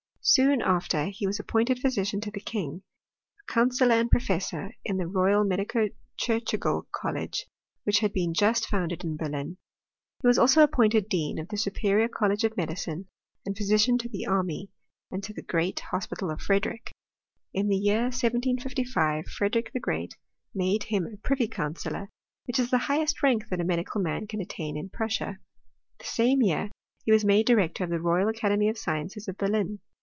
Soon after he was appointed physician to the king, a counsellor and professor in the Roya| Medico Chirurgical College, which had been just founded in Berlin. He was also appointed deani of the Superior College of Medicine, and physician to the army and to the great Hospital of Frederick. la the year 1755 Frederick the Great made him a privy counsellor, which is the highest rank that a medicaj man can attain in Prussia. The same year he wag made director of the Royal Academy of Sciences of Berlin.